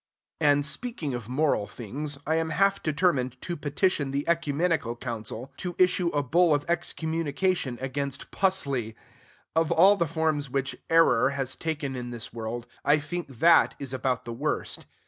And, speaking of moral things, I am half determined to petition the Ecumenical Council to issue a bull of excommunication against "pusley." Of all the forms which "error" has taken in this world, I think that is about the worst.